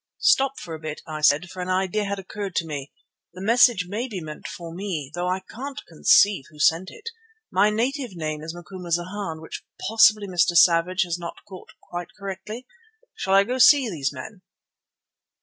"Stop a bit," I said, for an idea had occurred to me. "The message may be meant for me, though I can't conceive who sent it. My native name is Macumazana, which possibly Mr. Savage has not caught quite correctly. Shall I go to see these men?"